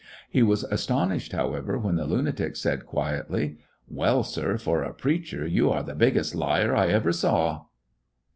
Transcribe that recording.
He was astonished, however, when the lunatic said quietly : "Well, sir, for a preacher you are the big gest liar I ever saw."